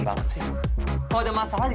omong ini sekali lagi